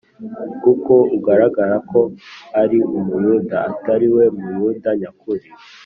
Kuko ugaragara ko ari Umuyuda atari we Muyuda nyakuri